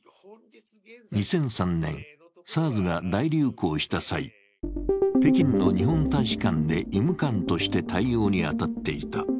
２００３年、ＳＡＲＳが大流行した際、北京の日本大使館で医務官として対応に当たっていた。